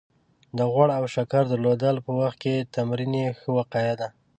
د غوړ او د شکر درلودلو په وخت کې تمرین يې ښه وقايه ده